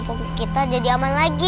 sekarang pampung kita jadi aman lagi